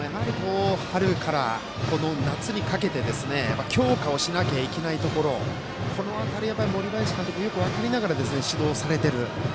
やはり、春から夏にかけて強化しなきゃいけないところこの辺り森林監督はよく分かりながら指導されている。